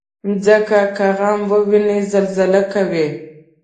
مځکه که غم وویني، زلزله کوي.